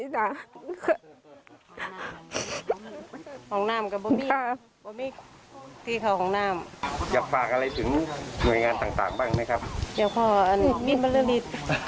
มีมันเรื่องนี้